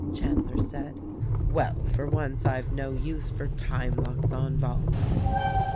Chandler said, "Well, for once, I've no use for time locks on vaults."